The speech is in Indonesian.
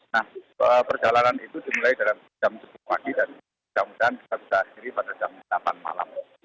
nah perjalanan itu dimulai dari jam tujuh pagi dan jam sepuluh kita bisa akhiri pada jam delapan malam